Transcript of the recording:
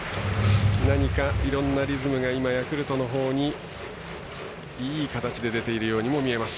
何かいろんなリズムがヤクルトのほうにいい形で出ているようにも見えます。